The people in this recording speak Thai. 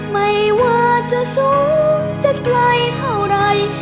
ไม่ว่าจะสูงจะไกลเท่าไร